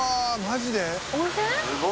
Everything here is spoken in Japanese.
マジで？」